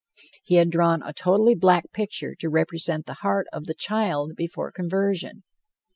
He had drawn a totally black picture to represent the heart of the child before conversion.